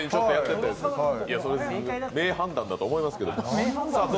ええ判断だと思いますけど。